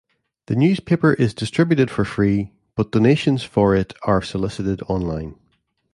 The newspaper is distributed for free, but donations for it are solicited online.